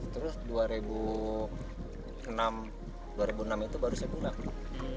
terus dua ribu enam itu baru saya pulang